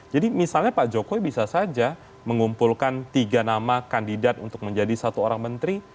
jadi misalnya pak jokowi bisa saja mengumpulkan tiga nama kandidat untuk menjadi satu orang menteri